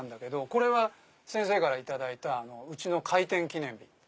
これは先生から頂いたうちの開店記念に。